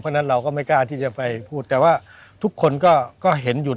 เพราะฉะนั้นเราก็ไม่กล้าที่จะไปพูดแต่ว่าทุกคนก็เห็นอยู่